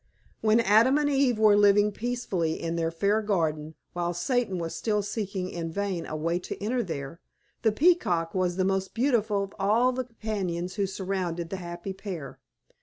When Adam and Eve were living peacefully in their fair garden, while Satan was still seeking in vain a way to enter there, the Peacock was the most beautiful of all the companions who surrounded the happy pair.